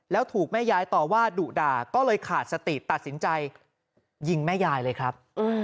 แล้วถูกแม่ยายต่อว่าดุด่าก็เลยขาดสติตัดสินใจยิงแม่ยายเลยครับ